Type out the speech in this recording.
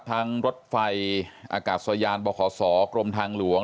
รถไฟอากาศยานบขศกรมทางหลวง